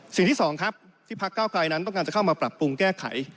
สิ่งที่สองครับที่พักเก้าไกลนั้นต้องการจะเข้ามาปรับปรุงแก้ไข